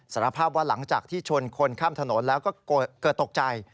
สารภาพว่าหลังจากที่ชนคนข้ามถนนแล้วก็เกิดตกใจ